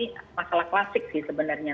ini masalah klasik sih sebenarnya